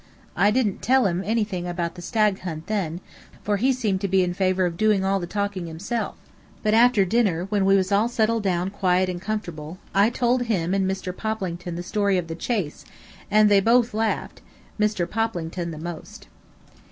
I didn't tell him anything about the stag hunt then, for he seemed to be in favor of doing all the talking himself; but after dinner, when we was all settled down quiet and comfortable, I told him and Mr. Poplington the story of the chase, and they both laughed, Mr. Poplington the most.